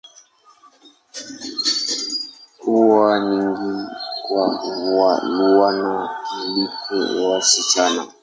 Huwa ni nyingi kwa wavulana kuliko wasichana.